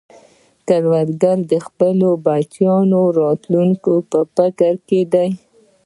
کروندګر د خپلو بچیانو راتلونکې په فکر کې دی